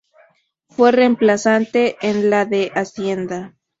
Fue reemplazante en la de Hacienda.